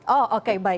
oh oke baik